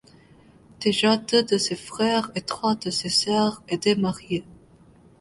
Déjà deux de ses frères et trois de ses sœurs étaient mariés.